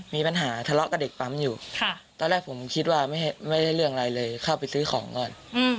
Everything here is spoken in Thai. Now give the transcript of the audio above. มีปัญหาทะเลาะกับเด็กปั๊มอยู่ตอนแรกผมคิดว่าไม่ได้เรื่องอะไรเลยเข้าไปซื้อของก่อน